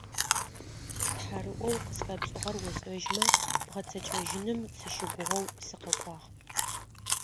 Тхьэрыӏоу къысфэпшӏыгъэр ошӏэжьымэ, бгъэцэкӏэжьыным сыщыгугъэу сыкъэкӏуагъ.